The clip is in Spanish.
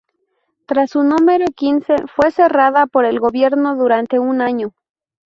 Tras su número quince, fue cerrada por el Gobierno durante un año.